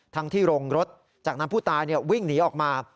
ทั้งที่โรงรถจากนั้นผู้ตายวิ่งหนีออกมา